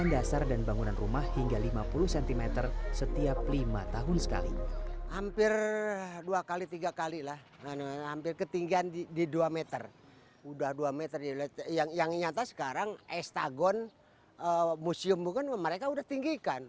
yang nyata sekarang estagon museum mereka udah tinggikan